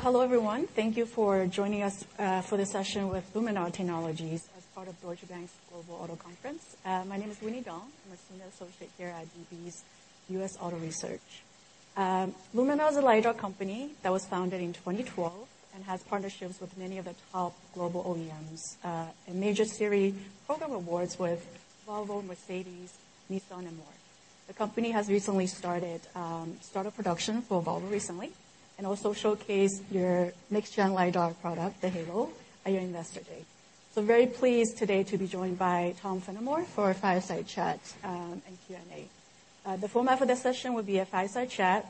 Hello everyone. Thank you for joining us for this session with Luminar Technologies as part of Deutsche Bank's Global Auto Conference. My name is Winnie Dong. I'm a senior associate here at DB's U.S. Auto Research. Luminar is a LiDAR company that was founded in 2012, and has partnerships with many of the top global OEMs, and major series program awards with Volvo, Mercedes, Nissan, and more. The company has recently started production for Volvo recently, and also showcased your next-gen LiDAR product, the Halo, at your Investor Day. Very pleased today to be joined by Tom Fennimore for a fireside chat, and Q&A. The format for this session will be a fireside chat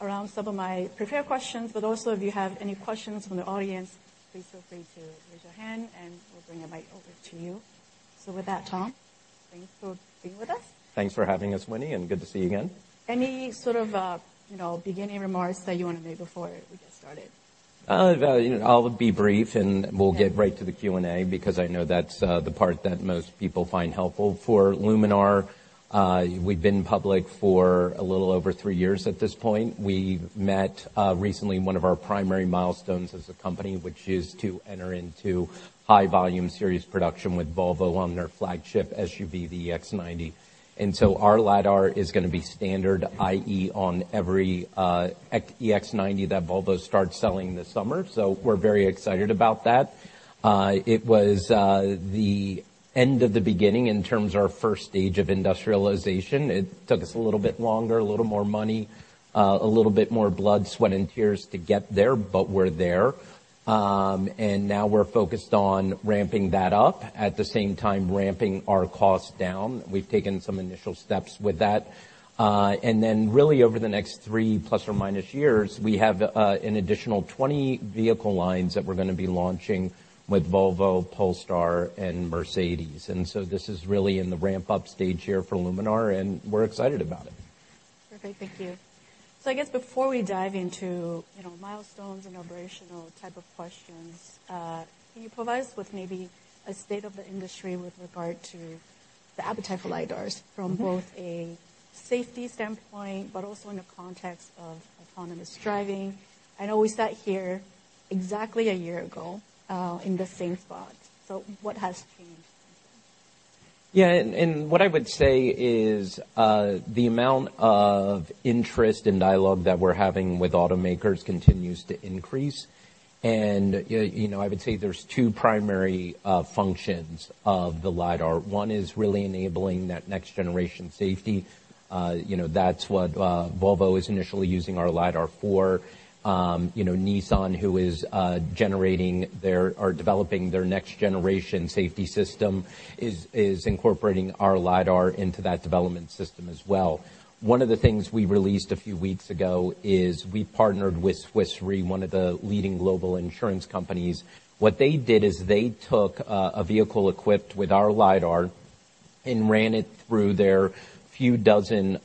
around some of my prepared questions, but also if you have any questions from the audience, please feel free to raise your hand and we'll bring a mic over to you. So with that, Tom, thanks for being with us. Thanks for having us, Winnie, and good to see you again. Any sort of, you know, beginning remarks that you wanna make before we get started? Well, you know, I'll be brief, and we'll get right to the Q&A because I know that's the part that most people find helpful. For Luminar, we've been public for a little over three years at this point. We've met recently one of our primary milestones as a company, which is to enter into high-volume series production with Volvo on their flagship SUV, the EX90. And so our LiDAR is gonna be standard, i.e., on every EX90 that Volvo starts selling this summer, so we're very excited about that. It was the end of the beginning in terms of our first stage of industrialization. It took us a little bit longer, a little more money, a little bit more blood, sweat, and tears to get there, but we're there. And now we're focused on ramping that up, at the same time, ramping our costs down. We've taken some initial steps with that. And then really, over the next three ± years, we have an additional 20 vehicle lines that we're gonna be launching with Volvo, Polestar, and Mercedes. And so this is really in the ramp-up stage here for Luminar, and we're excited about it. Perfect. Thank you. So I guess before we dive into, you know, milestones and operational type of questions, can you provide us with maybe a state of the industry with regard to the appetite for LiDARs from both a safety standpoint, but also in the context of autonomous driving? I know we sat here exactly a year ago, in the same spot. So what has changed? Yeah, what I would say is, the amount of interest and dialogue that we're having with automakers continues to increase. And yeah, you know, I would say there's two primary functions of the LiDAR. One is really enabling that next-generation safety. You know, that's what Volvo is initially using our LiDAR for. You know, Nissan, who is developing their next-generation safety system, is incorporating our LiDAR into that development system as well. One of the things we released a few weeks ago is we partnered with Swiss Re, one of the leading global insurance companies. What they did is they took a vehicle equipped with our LiDAR and ran it through their few dozen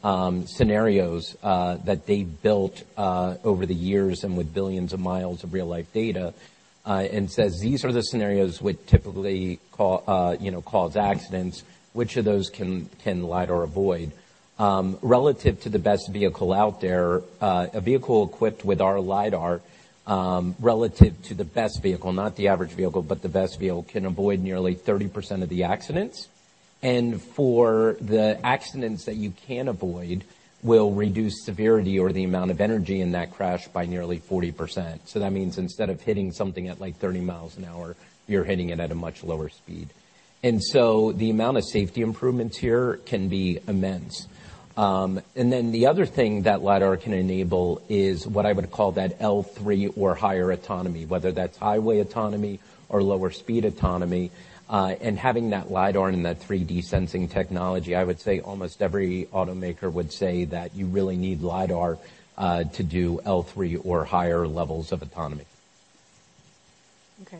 scenarios that they'd built over the years and with billions of miles of real-life data, and says, "These are the scenarios which typically you know cause accidents. Which of those can LiDAR avoid?" Relative to the best vehicle out there, a vehicle equipped with our LiDAR, relative to the best vehicle, not the average vehicle, but the best vehicle, can avoid nearly 30% of the accidents. And for the accidents that you can't avoid, will reduce severity or the amount of energy in that crash by nearly 40%. So that means instead of hitting something at, like, 30 miles an hour, you're hitting it at a much lower speed. And so the amount of safety improvements here can be immense. And then the other thing that LiDAR can enable is what I would call that L3 or higher autonomy, whether that's highway autonomy or lower-speed autonomy. And having that LiDAR and that 3D sensing technology, I would say almost every automaker would say that you really need LiDAR to do L3 or higher levels of autonomy. Okay.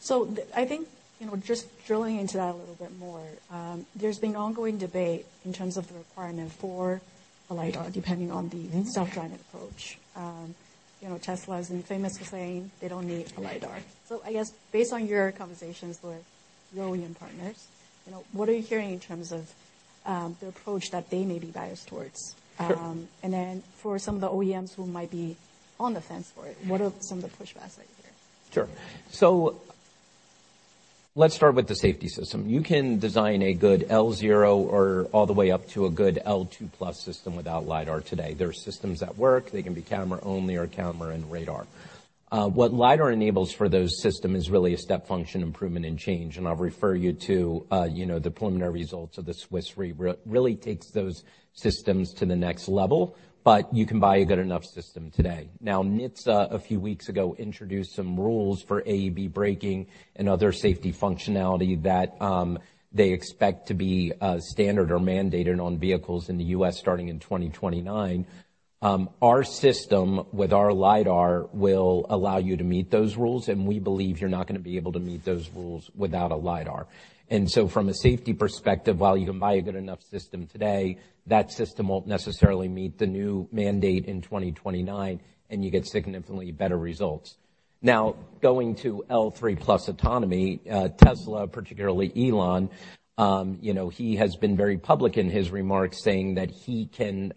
So the... I think, you know, just drilling into that a little bit more, there's been ongoing debate in terms of the requirement for a LiDAR, depending on the self-driving approach. You know, Tesla is infamous for saying they don't need a LiDAR. Right. So I guess based on your conversations with your OEM partners, you know, what are you hearing in terms of, the approach that they may be biased towards? Sure. And then for some of the OEMs who might be on the fence for it, what are some of the pushbacks that you hear? Sure. So let's start with the safety system. You can design a good L0 or all the way up to a good L2 plus system without LiDAR today. There are systems that work. They can be camera-only or camera and radar. What LiDAR enables for those system is really a step function, improvement, and change, and I'll refer you to, you know, the preliminary results of the Swiss Re. Really takes those systems to the next level, but you can buy a good enough system today. Now, NHTSA, a few weeks ago, introduced some rules for AEB braking and other safety functionality that, they expect to be, standard or mandated on vehicles in the U.S. starting in 2029. Our system with our LiDAR will allow you to meet those rules, and we believe you're not gonna be able to meet those rules without a LiDAR. And so from a safety perspective, while you can buy a good enough system today, that system won't necessarily meet the new mandate in 2029, and you get significantly better results. Now, going to L3 plus autonomy, Tesla, particularly Elon, you know, he has been very public in his remarks, saying that he can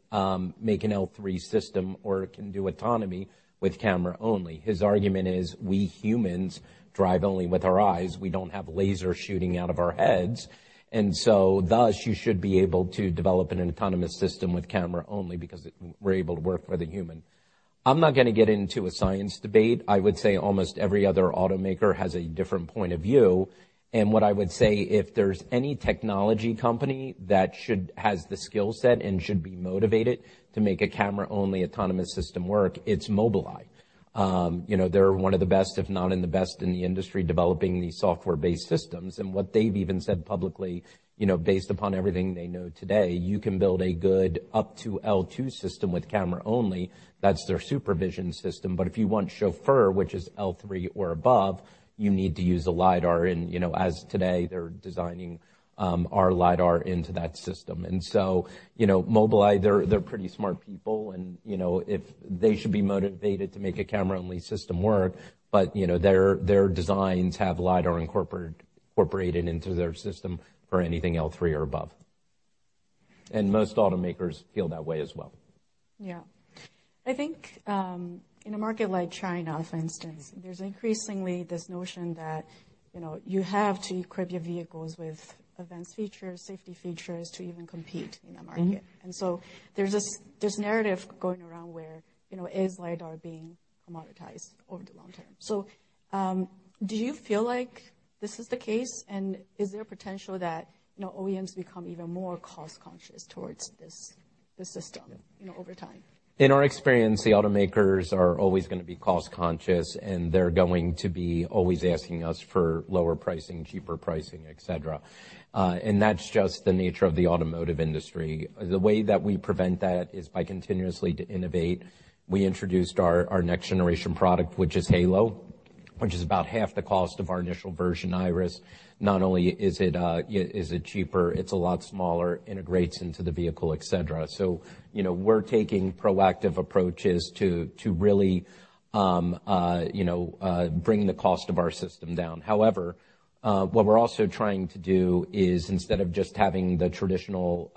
make an L3 system or can do autonomy with camera only. His argument is we humans drive only with our eyes. We don't have laser shooting out of our heads, and so thus, you should be able to develop an autonomous system with camera only because it- we're able to work with a human. I'm not gonna get into a science debate. I would say almost every other automaker has a different point of view. And what I would say, if there's any technology company that should have the skill set and should be motivated to make a camera-only autonomous system work, it's Mobileye. You know, they're one of the best, if not the best in the industry, developing these software-based systems. And what they've even said publicly, you know, based upon everything they know today, you can build a good up to L2 system with camera only. That's their Supervision system. But if you want Chauffeur, which is L3 or above, you need to use a LiDAR in. You know, as today, they're designing our LiDAR into that system. And so, you know, Mobileye, they're pretty smart people and, you know, if they should be motivated to make a camera-only system work, but, you know, their designs have LiDAR incorporated into their system for anything L3 or above. And most automakers feel that way as well. Yeah. I think, in a market like China, for instance, there's increasingly this notion that, you know, you have to equip your vehicles with advanced features, safety features, to even compete in the market. Mm-hmm. And so there's this, this narrative going around where, you know, is LiDAR being commoditized over the long term? So, do you feel like this is the case, and is there a potential that, you know, OEMs become even more cost-conscious towards this, this system, you know, over time? In our experience, the automakers are always gonna be cost conscious, and they're going to be always asking us for lower pricing, cheaper pricing, et cetera. And that's just the nature of the automotive industry. The way that we prevent that is by continuously to innovate. We introduced our next generation product, which is Halo, which is about half the cost of our initial version, Iris. Not only is it cheaper, it's a lot smaller, integrates into the vehicle, et cetera. So, you know, we're taking proactive approaches to really, you know, bring the cost of our system down. However, what we're also trying to do is instead of just having the traditional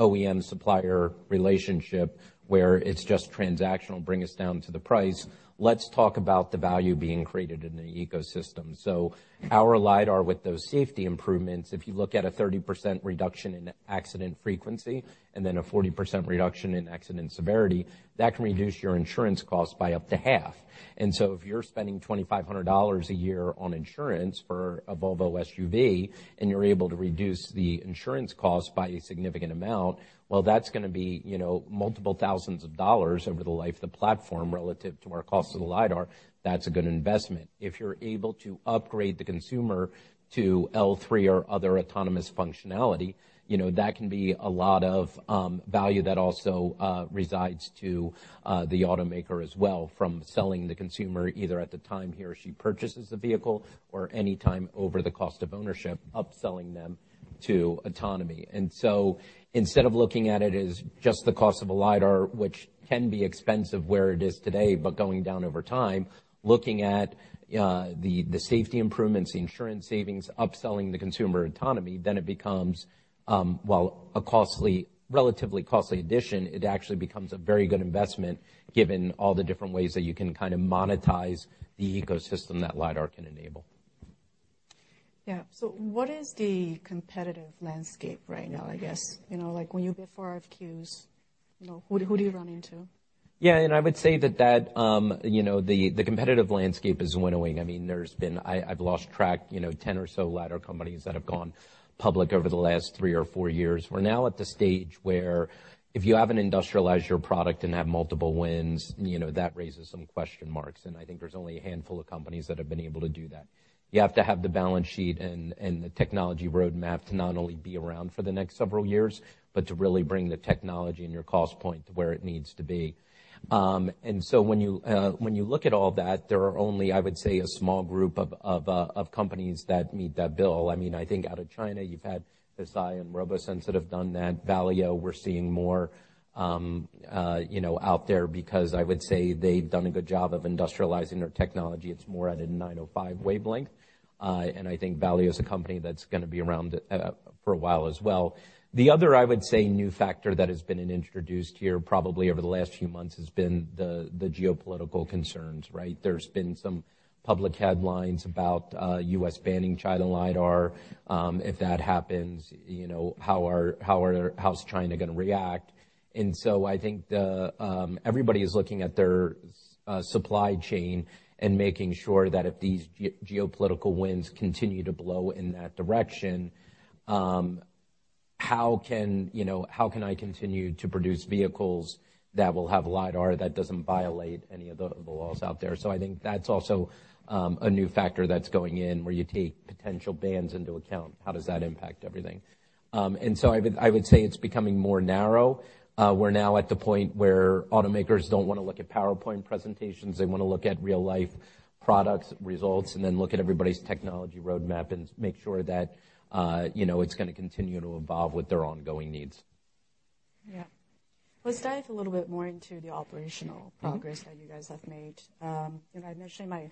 OEM supplier relationship, where it's just transactional, bring us down to the price, let's talk about the value being created in the ecosystem. So our LiDAR, with those safety improvements, if you look at a 30% reduction in accident frequency and then a 40% reduction in accident severity, that can reduce your insurance cost by up to half. And so if you're spending $2,500 a year on insurance for a Volvo SUV, and you're able to reduce the insurance cost by a significant amount, well, that's gonna be, you know, multiple thousands of dollars over the life of the platform relative to our cost of the LiDAR. That's a good investment. If you're able to upgrade the consumer to L3 or other autonomous functionality, you know, that can be a lot of value that also resides to the automaker as well, from selling the consumer, either at the time he or she purchases the vehicle or any time over the cost of ownership, upselling them to autonomy. And so instead of looking at it as just the cost of a LiDAR, which can be expensive where it is today, but going down over time, looking at the safety improvements, the insurance savings, upselling the consumer autonomy, then it becomes, while a costly relatively costly addition, it actually becomes a very good investment, given all the different ways that you can kind of monetize the ecosystem that LiDAR can enable. Yeah. So what is the competitive landscape right now, I guess? You know, like when you bid for RFQs, you know, who do you run into? Yeah, and I would say that, you know, the competitive landscape is winnowing. I mean, there's been... I've lost track, you know, 10 or so LiDAR companies that have gone public over the last three or four years. We're now at the stage where if you haven't industrialized your product and have multiple wins, you know, that raises some question marks, and I think there's only a handful of companies that have been able to do that. You have to have the balance sheet and the technology roadmap to not only be around for the next several years, but to really bring the technology and your cost point to where it needs to be. And so when you look at all that, there are only, I would say, a small group of companies that meet that bill. I mean, I think out of China, you've had Hesai and RoboSense that have done that. Velodyne, we're seeing more, you know, out there because I would say they've done a good job of industrializing their technology. It's more at a 905 wavelength. And I think Velodyne is a company that's gonna be around, for a while as well. The other, I would say, new factor that has been introduced here, probably over the last few months, has been the geopolitical concerns, right? There's been some public headlines about, U.S. banning China LiDAR. If that happens, you know, how's China gonna react? And so I think everybody is looking at their supply chain and making sure that if these geopolitical winds continue to blow in that direction, you know, how can I continue to produce vehicles that will have LiDAR, that doesn't violate any of the laws out there? So I think that's also a new factor that's going in, where you take potential bans into account. How does that impact everything? And so I would say it's becoming more narrow. We're now at the point where automakers don't wanna look at PowerPoint presentations. They wanna look at real-life products, results, and then look at everybody's technology roadmap and make sure that, you know, it's gonna continue to evolve with their ongoing needs.... Yeah. Let's dive a little bit more into the operational progress- Mm-hmm. -that you guys have made. And I mentioned in my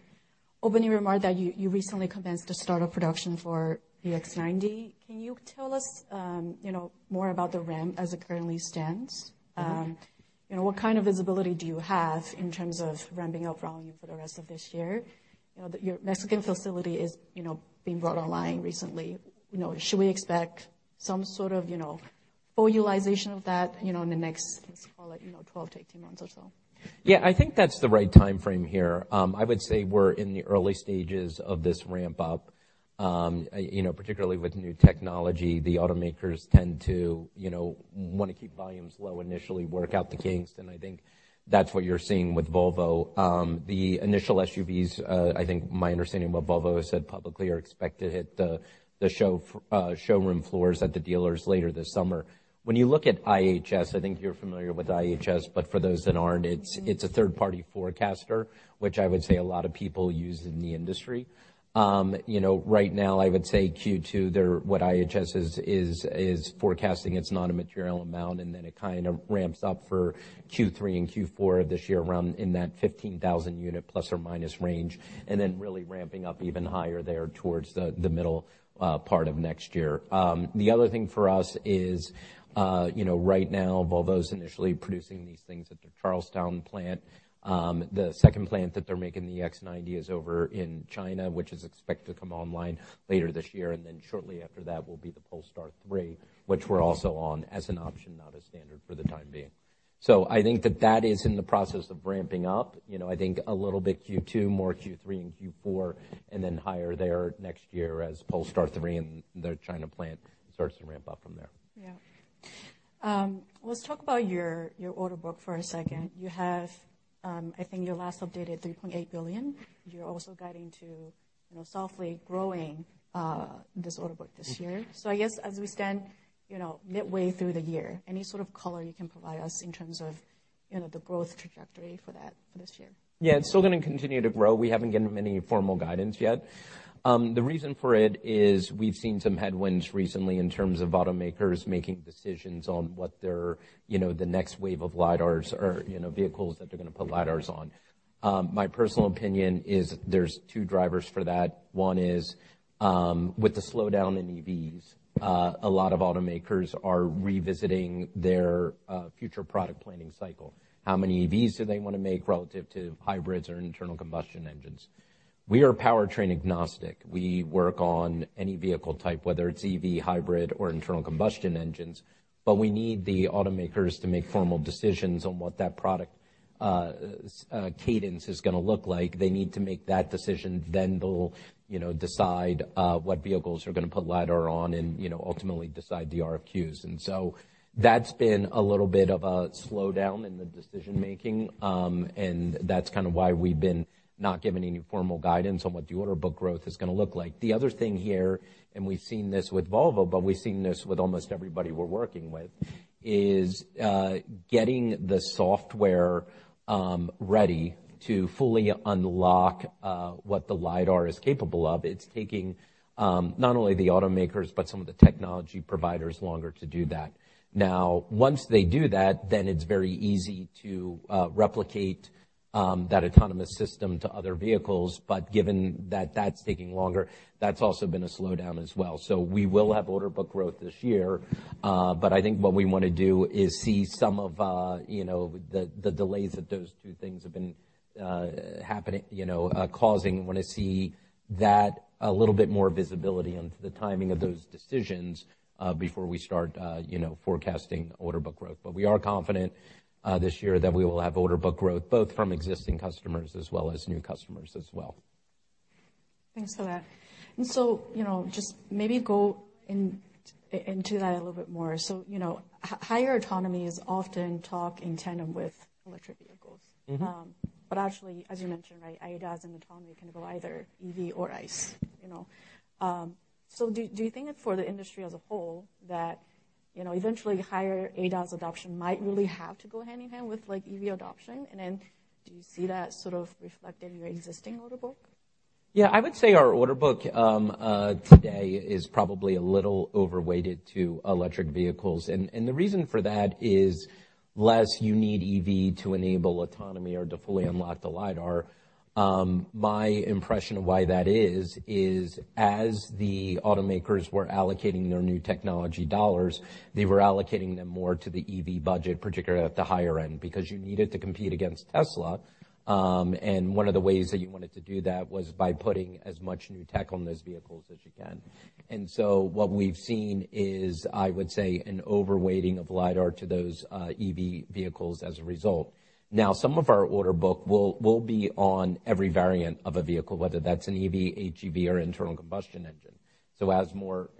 opening remark that you recently commenced the start of production for the EX90. Can you tell us, you know, more about the ramp as it currently stands? Mm-hmm. You know, what kind of visibility do you have in terms of ramping up volume for the rest of this year? You know, that your Mexican facility is, you know, being brought online recently. You know, should we expect some sort of, you know, full utilization of that, you know, in the next, let's call it, you know, 12-18 months or so? Yeah, I think that's the right time frame here. I would say we're in the early stages of this ramp up. You know, particularly with new technology, the automakers tend to, you know, wanna keep volumes low initially, work out the kinks, and I think that's what you're seeing with Volvo. The initial SUVs, I think my understanding of what Volvo has said publicly, are expected to hit the showroom floors at the dealers later this summer. When you look at IHS, I think you're familiar with IHS, but for those that aren't, it's- Mm-hmm. It's a third-party forecaster, which I would say a lot of people use in the industry. You know, right now, I would say Q2, they're—what IHS is forecasting, it's not a material amount, and then it kind of ramps up for Q3 and Q4 of this year, around in that 15,000-unit, plus or minus range, and then really ramping up even higher there towards the, the middle, part of next year. The other thing for us is, you know, right now, Volvo's initially producing these things at their Charleston plant. The second plant that they're making, the EX90, is over in China, which is expected to come online later this year, and then shortly after that will be the Polestar 3, which we're also on as an option, not as standard for the time being. So I think that that is in the process of ramping up. You know, I think a little bit Q2, more Q3 and Q4, and then higher there next year as Polestar 3 and their China plant starts to ramp up from there. Yeah. Let's talk about your, your order book for a second. Mm-hmm. You have, I think you last updated $3.8 billion. You're also guiding to, you know, softly growing this order book this year. Mm-hmm. So I guess as we stand, you know, midway through the year, any sort of color you can provide us in terms of, you know, the growth trajectory for that for this year? Yeah, it's still gonna continue to grow. We haven't given any formal guidance yet. The reason for it is we've seen some headwinds recently in terms of automakers making decisions on what their, you know, the next wave of LiDARs or, you know, vehicles that they're gonna put LiDARs on. My personal opinion is there's two drivers for that. One is, with the slowdown in EVs, a lot of automakers are revisiting their future product planning cycle. How many EVs do they wanna make relative to hybrids or internal combustion engines? We are powertrain agnostic. We work on any vehicle type, whether it's EV, hybrid or internal combustion engines, but we need the automakers to make formal decisions on what that product cadence is gonna look like. They need to make that decision, then they'll, you know, decide what vehicles we're gonna put LiDAR on and, you know, ultimately decide the RFQs. And so that's been a little bit of a slowdown in the decision-making, and that's kind of why we've been not giving any formal guidance on what the order book growth is gonna look like. The other thing here, and we've seen this with Volvo, but we've seen this with almost everybody we're working with, is getting the software ready to fully unlock what the LiDAR is capable of. It's taking not only the automakers, but some of the technology providers, longer to do that. Now, once they do that, then it's very easy to replicate that autonomous system to other vehicles, but given that that's taking longer, that's also been a slowdown as well. So we will have order book growth this year, but I think what we wanna do is see some of, you know, the delays that those two things have been happening, you know, causing. We wanna see that a little bit more visibility into the timing of those decisions, before we start, you know, forecasting order book growth. But we are confident, this year that we will have order book growth, both from existing customers as well as new customers as well. Thanks for that. So, you know, just maybe go in, into that a little bit more. So, you know, higher autonomy is often talked in tandem with electric vehicles. Mm-hmm. But actually, as you mentioned, right, ADAS and autonomy can go either EV or ICE, you know? So do you think that for the industry as a whole, that, you know, eventually higher ADAS adoption might really have to go hand in hand with, like, EV adoption? And then do you see that sort of reflected in your existing order book? Yeah, I would say our order book today is probably a little overweighted to electric vehicles, and the reason for that is, less you need EV to enable autonomy or to fully unlock the LiDAR, my impression of why that is, is as the automakers were allocating their new technology dollars, they were allocating them more to the EV budget, particularly at the higher end, because you needed to compete against Tesla. And one of the ways that you wanted to do that was by putting as much new tech on those vehicles as you can. And so what we've seen is, I would say, an overweighting of LiDAR to those EV vehicles as a result. Now, some of our order book will be on every variant of a vehicle, whether that's an EV, HEV or internal combustion engine. So as more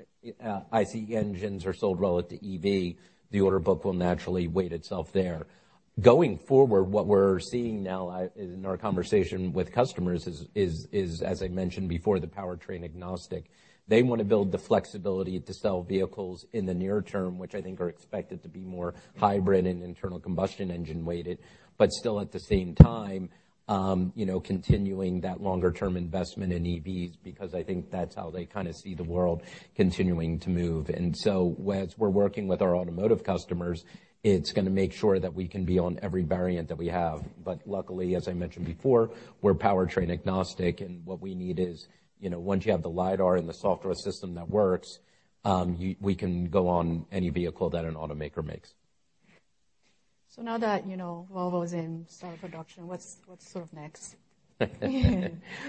ICE engines are sold relative to EV, the order book will naturally weight itself there. Going forward, what we're seeing now in our conversation with customers is, as I mentioned before, the powertrain agnostic. They want to build the flexibility to sell vehicles in the near term, which I think are expected to be more hybrid and internal combustion engine-weighted, but still, at the same time, you know, continuing that longer-term investment in EVs, because I think that's how they kinda see the world continuing to move. And so as we're working with our automotive customers, it's gonna make sure that we can be on every variant that we have. But luckily, as I mentioned before, we're powertrain agnostic, and what we need is, you know, once you have the LiDAR and the software system that works, we can go on any vehicle that an automaker makes. ... So now that, you know, Volvo is in start of production, what's, what's sort of next?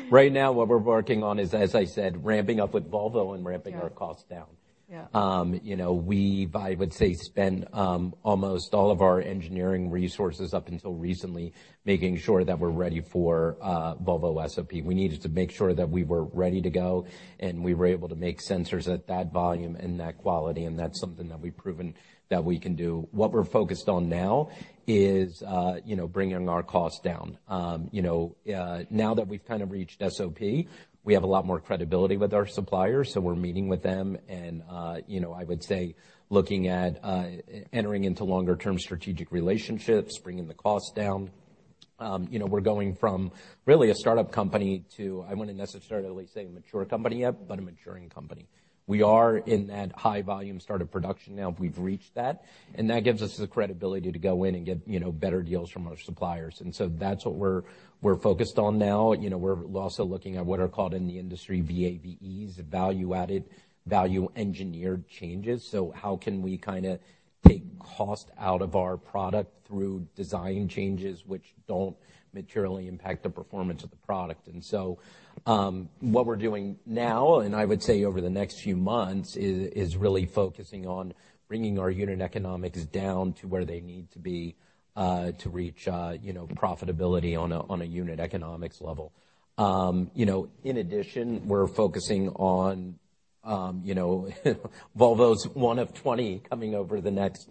Right now, what we're working on is, as I said, ramping up with Volvo and ramping our costs down. Yeah. You know, we, I would say, spend almost all of our engineering resources up until recently, making sure that we're ready for Volvo SOP. We needed to make sure that we were ready to go, and we were able to make sensors at that volume and that quality, and that's something that we've proven that we can do. What we're focused on now is you know, bringing our costs down. You know, now that we've kind of reached SOP, we have a lot more credibility with our suppliers, so we're meeting with them and you know, I would say, looking at entering into longer-term strategic relationships, bringing the cost down. You know, we're going from really a startup company to, I wouldn't necessarily say a mature company yet, but a maturing company. We are in that high volume start of production now. We've reached that, and that gives us the credibility to go in and get, you know, better deals from our suppliers. And so that's what we're focused on now. You know, we're also looking at what are called in the industry VAVE, the value-added, value-engineered changes. So how can we kinda take cost out of our product through design changes, which don't materially impact the performance of the product? And so, what we're doing now, and I would say over the next few months, is really focusing on bringing our unit economics down to where they need to be, to reach, you know, profitability on a unit economics level. You know, in addition, we're focusing on, you know, Volvo's one of 20 coming over the next,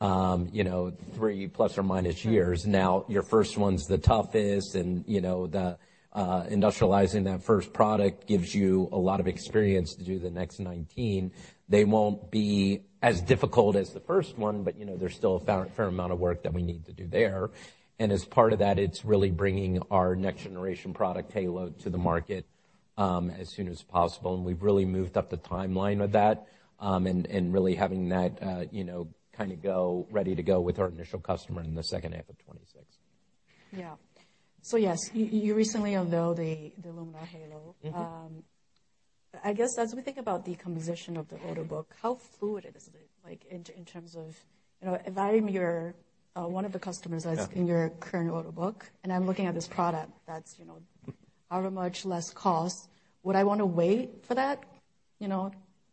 you know, 3 ± years. Now, your first one's the toughest and, you know, the industrializing that first product gives you a lot of experience to do the next 19. They won't be as difficult as the first one, but, you know, there's still a fair amount of work that we need to do there. And as part of that, it's really bringing our next generation product, Halo, to the market, as soon as possible. And we've really moved up the timeline of that, and really having that, you know, ready to go with our initial customer in the second half of 2026. Yeah. So yes, you recently unveiled the Luminar Halo. Mm-hmm. I guess as we think about the composition of the order book, how fluid is it? Like, in terms of... You know, if I'm your, one of the customers- Yeah -that's in your current order book, and I'm looking at this product that's, you know, at a much less cost, would I want to wait for that, you know,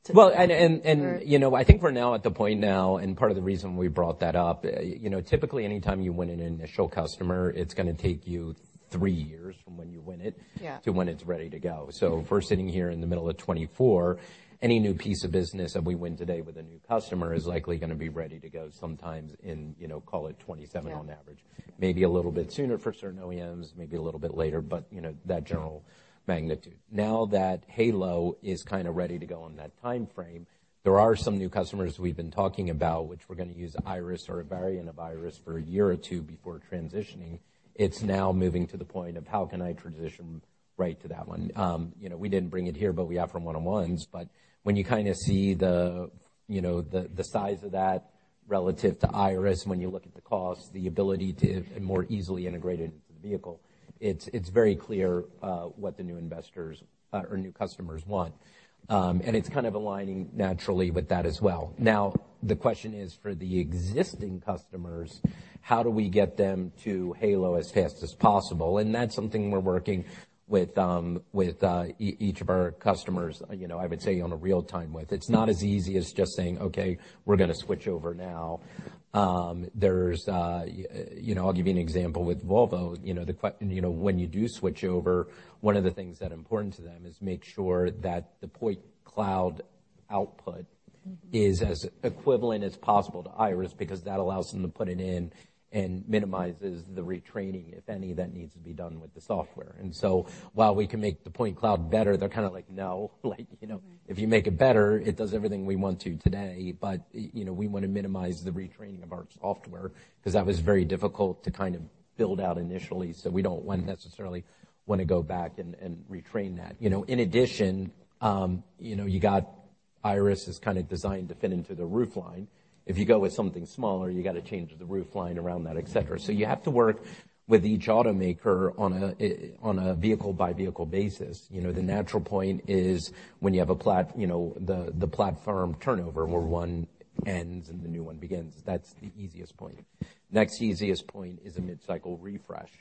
to- Well, you know, I think we're now at the point now, and part of the reason we brought that up, you know, typically, anytime you win an initial customer, it's gonna take you three years from when you win it- Yeah... to when it's ready to go. So if we're sitting here in the middle of 2024, any new piece of business that we win today with a new customer is likely gonna be ready to go sometimes in, you know, call it 2027- Yeah On average. Maybe a little bit sooner for certain OEMs, maybe a little bit later, but, you know, that general magnitude. Now that Halo is kind of ready to go on that time frame, there are some new customers we've been talking about, which we're gonna use Iris or a variant of Iris for a year or two before transitioning. It's now moving to the point of: How can I transition right to that one? You know, we didn't bring it here, but we have from one-on-ones. But when you kinda see the, you know, the size of that relative to Iris, when you look at the cost, the ability to more easily integrate it into the vehicle, it's, it's very clear what the new investors or new customers want. And it's kind of aligning naturally with that as well. Now, the question is, for the existing customers, how do we get them to Halo as fast as possible? And that's something we're working with each of our customers, you know, I would say, on a real time with. It's not as easy as just saying, "Okay, we're gonna switch over now." There's... You know, I'll give you an example with Volvo. You know, when you do switch over, one of the things that's important to them is make sure that the point cloud output- Mm-hmm... is as equivalent as possible to Iris, because that allows them to put it in and minimizes the retraining, if any, that needs to be done with the software. And so while we can make the point cloud better, they're kinda like, "No." Like, "You know, if you make it better, it does everything we want to today, but, you know, we want to minimize the retraining of our software, 'cause that was very difficult to kind of build out initially, so we don't want to necessarily want to go back and, and retrain that." You know, in addition, you know, you got Iris is kind of designed to fit into the roof line. If you go with something smaller, you gotta change the roof line around that, et cetera. So you have to work with each automaker on a, on a vehicle-by-vehicle basis. You know, the natural point is when you have a platform, you know, the platform turnover, where one ends and the new one begins. That's the easiest point. Next easiest point is a mid-cycle refresh,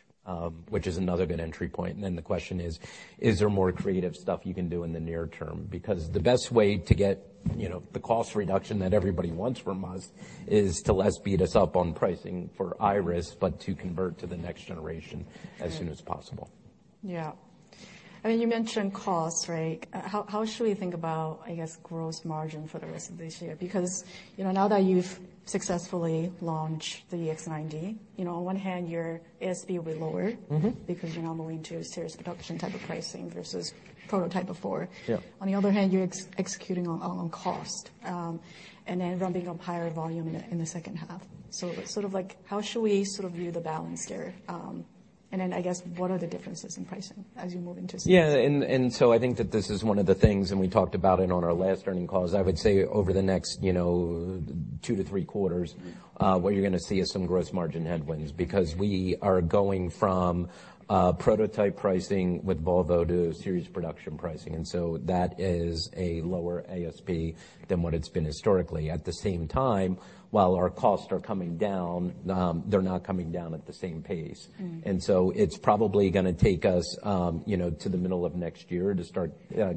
which is another good entry point. And then the question is: Is there more creative stuff you can do in the near term? Because the best way to get, you know, the cost reduction that everybody wants from us is to let us beat us up on pricing for Iris, but to convert to the next generation as soon as possible. Yeah. I mean, you mentioned costs, right? How should we think about, I guess, gross margin for the rest of this year? Because, you know, now that you've successfully launched the EX90, you know, on one hand, your ASP will be lower- Mm-hmm... because you're now moving to a series production type of pricing versus prototype before. Yeah. On the other hand, you're executing on cost, and then ramping up higher volume in the second half. So sort of like, how should we sort of view the balance there, and then I guess, what are the differences in pricing as you move into C? Yeah, and, and so I think that this is one of the things, and we talked about it on our last earnings call, is I would say over the next, you know, 2 to 3 quarters, what you're gonna see is some gross margin headwinds. Because we are going from, prototype pricing with Volvo to series production pricing, and so that is a lower ASP than what it's been historically. At the same time, while our costs are coming down, they're not coming down at the same pace. Mm. And so it's probably gonna take us, you know, to the middle of next year to start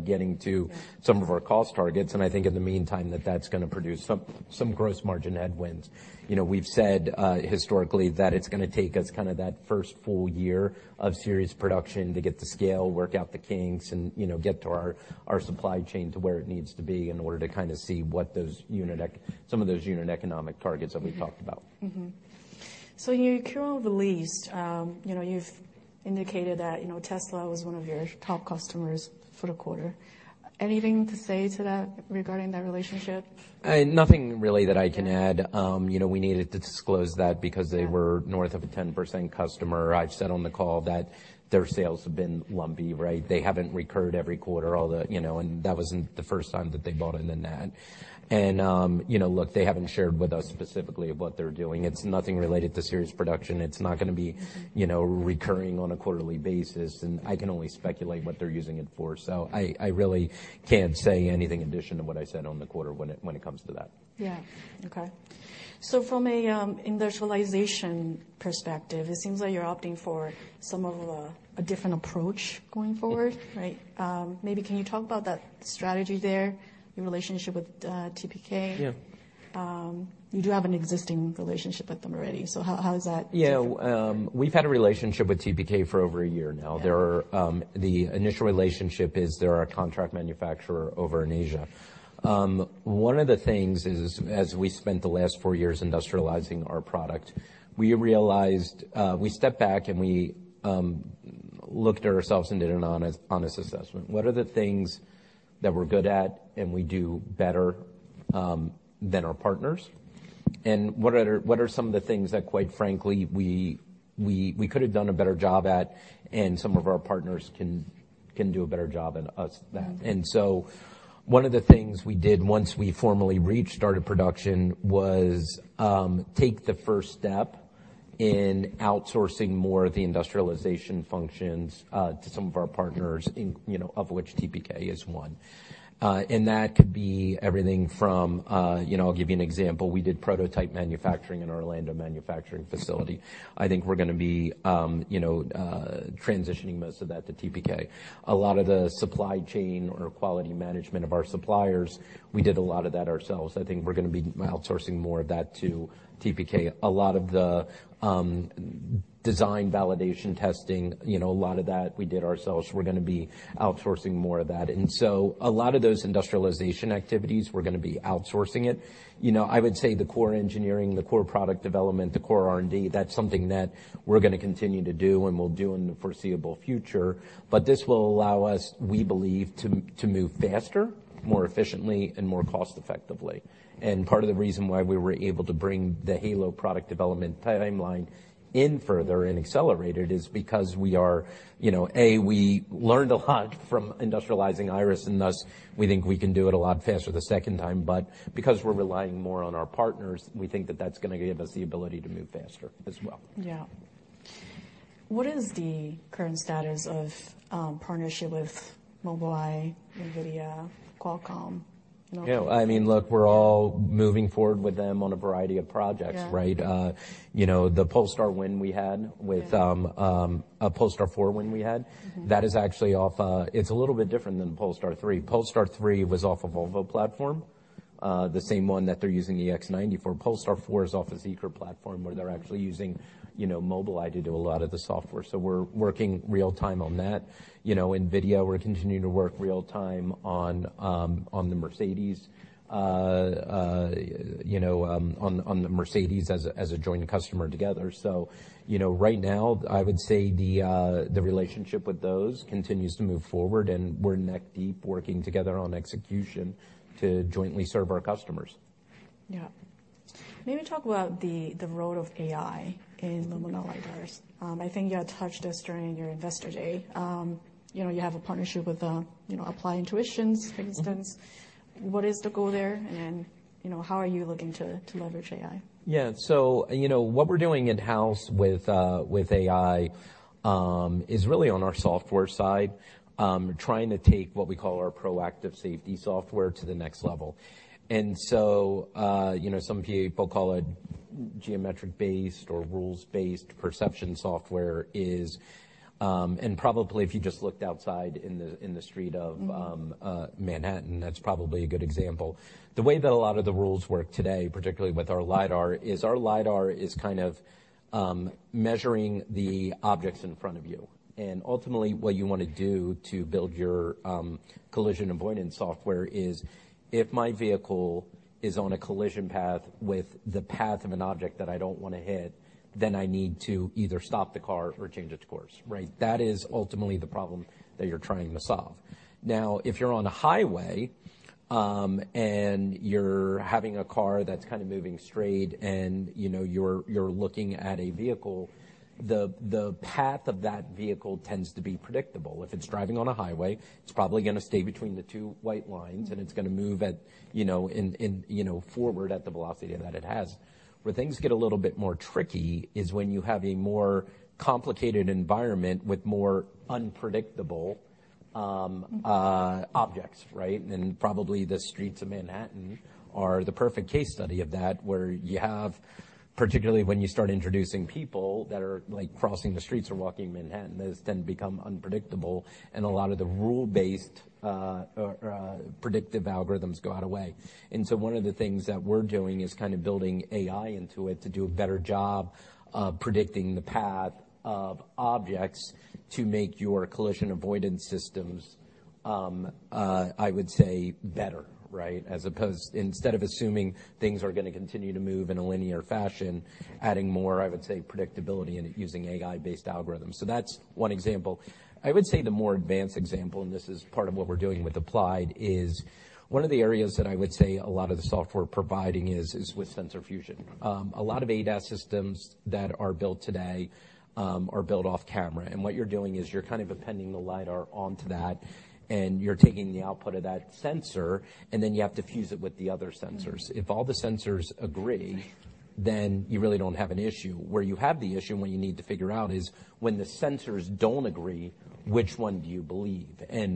getting to- Yeah some of our cost targets, and I think in the meantime, that that's gonna produce some, some gross margin headwinds. You know, we've said historically that it's gonna take us kinda that first full year of series production to get to scale, work out the kinks, and, you know, get to our, our supply chain to where it needs to be in order to kinda see what those unit ec- some of those unit economic targets that we've talked about. Mm-hmm. Mm-hmm. So in your Q release, you know, you've indicated that, you know, Tesla was one of your top customers for the quarter. Anything to say to that regarding that relationship? Nothing really that I can add. You know, we needed to disclose that because they- Yeah... were north of a 10% customer. I've said on the call that their sales have been lumpy, right? They haven't recurred every quarter, although, you know, and that wasn't the first time that they bought in to that. And, you know, look, they haven't shared with us specifically of what they're doing. It's nothing related to series production. It's not gonna be- Mm... you know, recurring on a quarterly basis, and I can only speculate what they're using it for. So I, I really can't say anything in addition to what I said on the quarter when it, when it comes to that. Yeah. Okay. So from a industrialization perspective, it seems like you're opting for some of a different approach going forward, right? Maybe can you talk about that strategy there, your relationship with TPK? Yeah. You do have an existing relationship with them already, so how is that different? Yeah, we've had a relationship with TPK for over a year now. Yeah. There are. The initial relationship is they're our contract manufacturer over in Asia. One of the things is, as we spent the last four years industrializing our product, we realized, we stepped back, and we looked at ourselves and did an honest, honest assessment. What are the things that we're good at, and we do better than our partners? And what are, what are some of the things that, quite frankly, we, we, we could have done a better job at, and some of our partners can, can do a better job than us at that? Mm-hmm. One of the things we did once we formally started production was take the first step in outsourcing more of the industrialization functions to some of our partners, you know, of which TPK is one. And that could be everything from, you know, I'll give you an example. We did prototype manufacturing in our Orlando manufacturing facility. I think we're gonna be, you know, transitioning most of that to TPK. A lot of the supply chain or quality management of our suppliers, we did a lot of that ourselves. I think we're gonna be outsourcing more of that to TPK. A lot of the design validation testing, you know, a lot of that we did ourselves, we're gonna be outsourcing more of that. And so a lot of those industrialization activities, we're gonna be outsourcing it. You know, I would say the core engineering, the core product development, the core R&D, that's something that we're gonna continue to do and will do in the foreseeable future. But this will allow us, we believe, to move faster, more efficiently, and more cost-effectively. And part of the reason why we were able to bring the Halo product development timeline in further and accelerated is because we are, you know, A, we learned a lot from industrializing Iris, and thus, we think we can do it a lot faster the second time. But because we're relying more on our partners, we think that that's gonna give us the ability to move faster as well. Yeah. What is the current status of partnership with Mobileye, NVIDIA, Qualcomm, and all? Yeah. I mean, look, we're all moving forward with them on a variety of projects- Yeah... right? You know, the Polestar win we had with, Yeah... Polestar 4 win we had- Mm-hmm... that is actually off. It's a little bit different than Polestar 3. Polestar 3 was off a Volvo platform, the same one that they're using EX90 for. Polestar 4 is off a Zeekr platform, where they're actually using, you know, Mobileye to do a lot of the software. So we're working real time on that. You know, NVIDIA, we're continuing to work real time on the Mercedes as a, as a joint customer together. So, you know, right now, I would say the relationship with those continues to move forward, and we're neck-deep, working together on execution to jointly serve our customers. Yeah. Maybe talk about the role of AI in the Luminar LiDARs. Mm-hmm. I think you had touched this during your Investor Day. You know, you have a partnership with, you know, Applied Intuition, for instance. Mm-hmm. What is the goal there? And, you know, how are you looking to leverage AI? Yeah. So, you know, what we're doing in-house with AI is really on our software side, trying to take what we call our Proactive Safety software to the next level. So, you know, some people call it geometric-based or rules-based perception software is. And probably, if you just looked outside in the street of, Mm-hmm... Manhattan, that's probably a good example. The way that a lot of the rules work today, particularly with our LiDAR, is our LiDAR is kind of measuring the objects in front of you. And ultimately, what you wanna do to build your collision avoidance software is, if my vehicle is on a collision path with the path of an object that I don't wanna hit, then I need to either stop the car or change its course, right? That is ultimately the problem that you're trying to solve. Now, if you're on a highway, and you're having a car that's kind of moving straight, and you know, you're looking at a vehicle, the path of that vehicle tends to be predictable. If it's driving on a highway, it's probably gonna stay between the two white lines- Mm... and it's gonna move at, you know, forward at the velocity that it has. Where things get a little bit more tricky is when you have a more complicated environment with more unpredictable objects, right? And probably the streets of Manhattan are the perfect case study of that, where you have, particularly when you start introducing people that are, like, crossing the streets or walking in Manhattan, those tend to become unpredictable, and a lot of the rule-based predictive algorithms go out of way. And so one of the things that we're doing is kind of building AI into it to do a better job of predicting the path of objects to make your collision avoidance systems, I would say better, right? As opposed, instead of assuming things are gonna continue to move in a linear fashion, adding more, I would say, predictability, and using AI-based algorithms. So that's one example. I would say the more advanced example, and this is part of what we're doing with Applied, is one of the areas that I would say a lot of the software providing is with sensor fusion. A lot of ADAS systems that are built today are built off camera, and what you're doing is you're kind of appending the LiDAR onto that, and you're taking the output of that sensor, and then you have to fuse it with the other sensors. Mm. If all the sensors agree, then you really don't have an issue. Where you have the issue and what you need to figure out is, when the sensors don't agree, which one do you believe?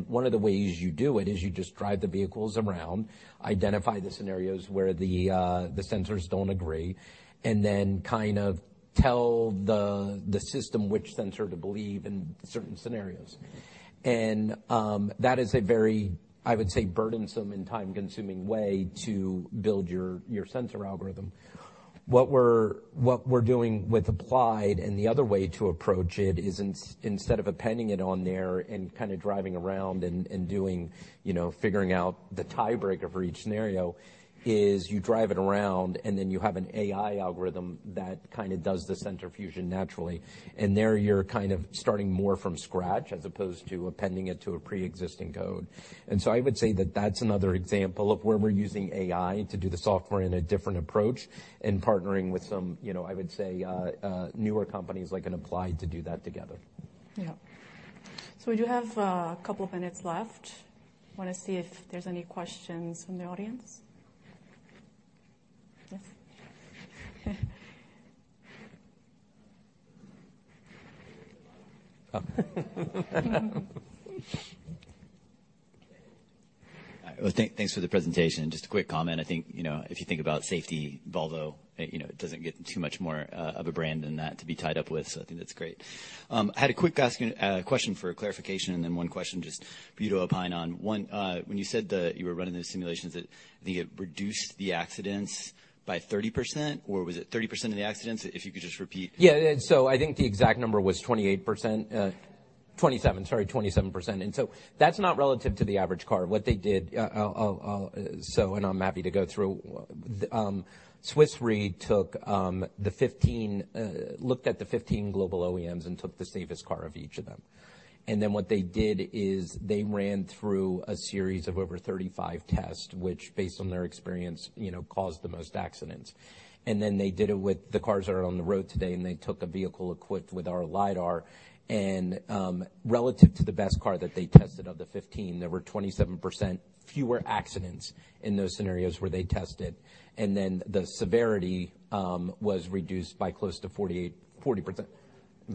One of the ways you do it is you just drive the vehicles around, identify the scenarios where the sensors don't agree, and then kind of tell the system which sensor to believe in certain scenarios. That is a very, I would say, burdensome and time-consuming way to build your sensor algorithm. What we're doing with Applied, and the other way to approach it, is instead of appending it on there and kinda driving around and doing, you know, figuring out the tiebreaker for each scenario, is you drive it around, and then you have an AI algorithm that kinda does the sensor fusion naturally. And there, you're kind of starting more from scratch, as opposed to appending it to a pre-existing code. And so I would say that that's another example of where we're using AI to do the software in a different approach, and partnering with some, you know, I would say, newer companies like Applied to do that together. Yeah. So we do have a couple of minutes left. Wanna see if there's any questions from the audience? Yes? Oh. Thanks for the presentation, and just a quick comment. I think, you know, if you think about safety, Volvo, you know, it doesn't get too much more of a brand than that to be tied up with, so I think that's great. I had a quick asking question for clarification, and then one question just for you to opine on. One, when you said that you were running the simulations, that I think it reduced the accidents by 30%, or was it 30% of the accidents? If you could just repeat. Yeah, so I think the exact number was 28%, 27, sorry, 27%. And so that's not relative to the average car. What they did, I'll go through. So, and I'm happy to go through. Swiss Re took the 15, looked at the 15 global OEMs and took the safest car of each of them. And then what they did is they ran through a series of over 35 tests, which, based on their experience, you know, caused the most accidents. And then they did it with the cars that are on the road today, and they took a vehicle equipped with our LiDAR, and relative to the best car that they tested of the 15, there were 27% fewer accidents in those scenarios where they tested. And then, the severity was reduced by close to 48 - 40%.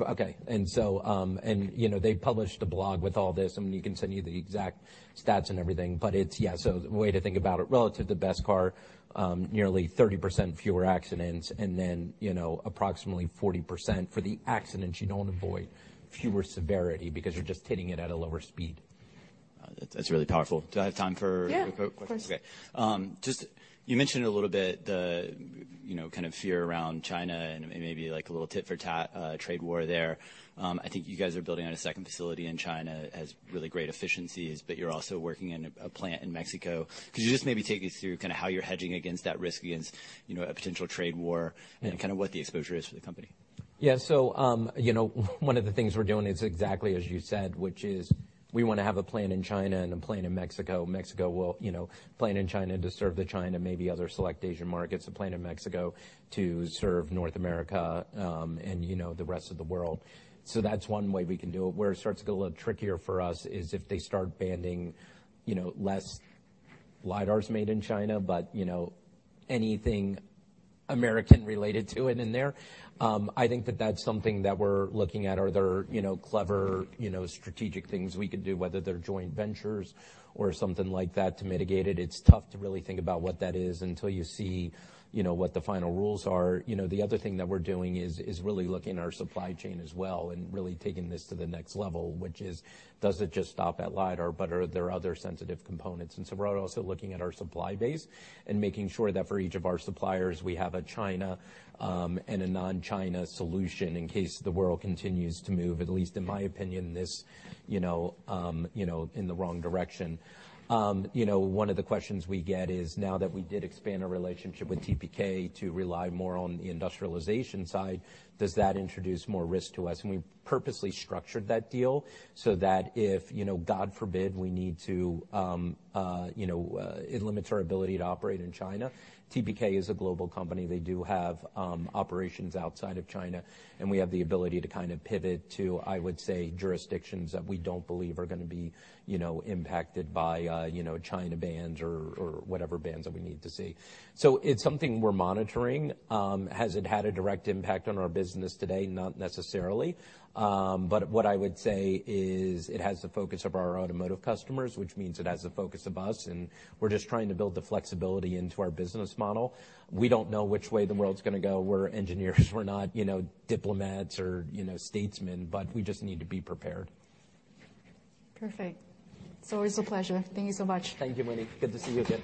Okay, and so, you know, they published a blog with all this, and we can send you the exact stats and everything. But it's... Yeah, so the way to think about it, relative to the best car, nearly 30% fewer accidents, and then, you know, approximately 40% for the accidents you don't avoid, fewer severity because you're just hitting it at a lower speed. That's really powerful. Do I have time for- Yeah... quick, quick questions? Of course. Okay. Just, you mentioned a little bit the, you know, kind of fear around China and maybe like a little tit for tat, trade war there. I think you guys are building on a second facility in China, has really great efficiencies, but you're also working in a plant in Mexico. Could you just maybe take us through kinda how you're hedging against that risk, you know, a potential trade war- Yeah... and kinda what the exposure is for the company? Yeah. So, you know, one of the things we're doing is exactly as you said, which is we wanna have a plant in China and a plant in Mexico. Mexico will, you know, plant in China to serve the China, maybe other select Asian markets, a plant in Mexico to serve North America, and, you know, the rest of the world. So that's one way we can do it. Where it starts to get a little trickier for us is if they start banning, you know, Chinese LiDARs made in China, but, you know, anything American related to it in there. I think that that's something that we're looking at. Are there, you know, clever, you know, strategic things we could do, whether they're joint ventures or something like that, to mitigate it? It's tough to really think about what that is until you see, you know, what the final rules are. You know, the other thing that we're doing is really looking at our supply chain as well, and really taking this to the next level, which is, does it just stop at lidar, but are there other sensitive components? And so we're also looking at our supply base and making sure that for each of our suppliers, we have a China and a non-China solution in case the world continues to move, at least in my opinion, this, you know, in the wrong direction. You know, one of the questions we get is, now that we did expand our relationship with TPK to rely more on the industrialization side, does that introduce more risk to us? And we purposely structured that deal so that if, you know, God forbid, we need to, you know, it limits our ability to operate in China, TPK is a global company. They do have operations outside of China, and we have the ability to kind of pivot to, I would say, jurisdictions that we don't believe are gonna be, you know, impacted by, you know, China bans or, or whatever bans that we need to see. So it's something we're monitoring. Has it had a direct impact on our business today? Not necessarily. But what I would say is, it has the focus of our automotive customers, which means it has the focus of us, and we're just trying to build the flexibility into our business model. We don't know which way the world's gonna go. We're engineers, we're not, you know, diplomats or, you know, statesmen, but we just need to be prepared. Perfect. It's always a pleasure. Thank you so much. Thank you, Winnie. Good to see you again.